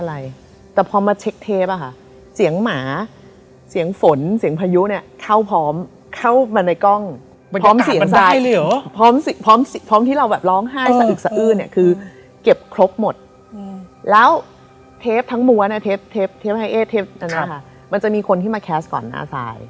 อะมีซีนน์เล่นด้วยกันเล็กน้อย